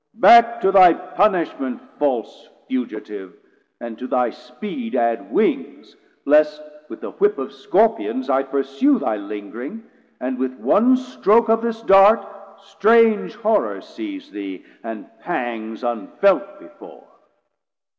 Back to thy punishment, False fugitive, and to thy speed add wings, 700 Least with a whip of Scorpions I pursue Thy lingring, or with one stroke of this Dart Strange horror seise thee, and pangs unfelt before.